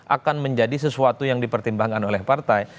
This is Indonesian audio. akan menjadi sesuatu yang dipertimbangkan oleh partai